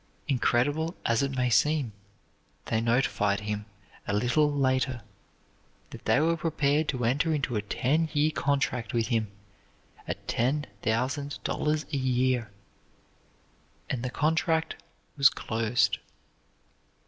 Incredible as it may seem, they notified him, a little later, that they were prepared to enter into a ten year contract with him at ten thousand dollars a year, and the contract was closed.